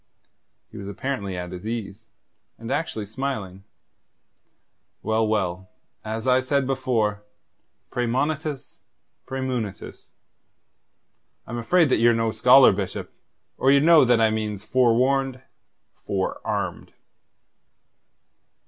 He was apparently at his ease, and actually smiling. "Well, well as I said before praemonitus, praemunitus. I'm afraid that ye're no scholar, Bishop, or ye'd know that I means forewarned, forearmed."